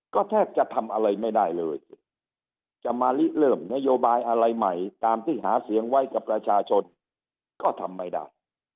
ก็แทบจะทำอะไรไม่ได้เลยจะมาริเริ่มนโยบายอะไรใหม่ตามที่หาเสียงไว้กับประชาชนก็ทำไม่ได้